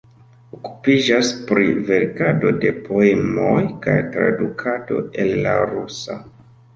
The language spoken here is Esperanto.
Okupiĝas pri verkado de poemoj kaj tradukado el la rusa.